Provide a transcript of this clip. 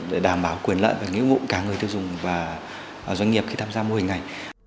để đảm bảo quyền lợi và nghĩa vụ cả người tiêu dùng và doanh nghiệp khi tham gia mô hình này